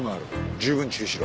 十分注意しろ。